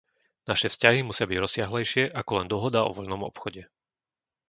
Naše vzťahy musia byť rozsiahlejšie ako len dohoda o voľnom obchode.